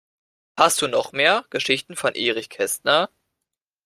Hast du noch mehr Geschichten von Erich Kästner?